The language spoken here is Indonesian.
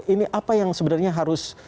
ini apa yang sebenarnya harus